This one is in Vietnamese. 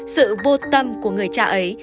sự vô tâm của người cha ấy